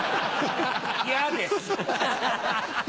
嫌です！